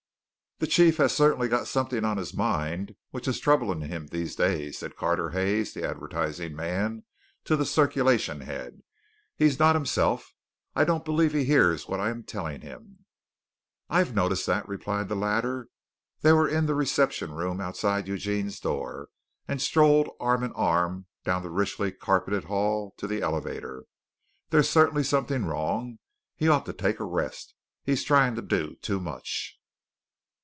"The chief has certainly got something on his mind which is troubling him these days," said Carter Hayes, the advertising man, to the circulation head. "He's not himself. I don't believe he hears what I'm telling him." "I've noticed that," replied the latter. They were in the reception room outside Eugene's door, and strolled arm in arm down the richly carpeted hall to the elevator. "There's certainly something wrong. He ought to take a rest. He's trying to do too much."